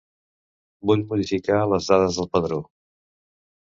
Vull modificar les dades del padró.